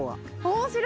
面白い。